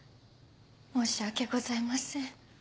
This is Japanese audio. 申し訳ございません。